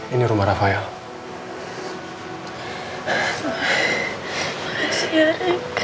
ini rumah rafael